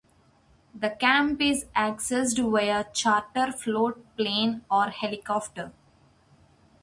The camp is accessed via charter float plane or helicopter.